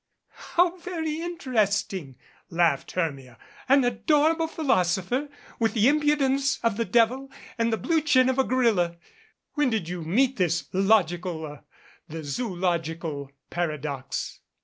"How very interesting !" laughed Hermia. "An ador able philosopher, with the impudence of the devil, and the blue chin of a gorilla ! When did you meet this logi cal the zoological paradox?"